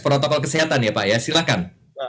protokol kesehatan ya pak ya silahkan